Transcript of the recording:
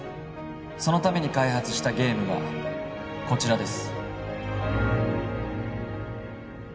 そのために開発したゲームがこちらです